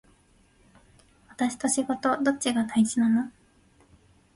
私と仕事どっちが大事なの